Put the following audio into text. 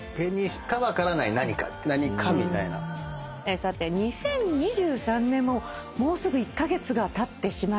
さて２０２３年ももうすぐ１カ月がたってしまいます。